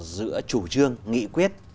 giữa chủ trương nghị quyết